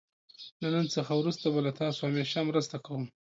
له نن څخه وروسته به له تاسو همېشه مرسته کوم.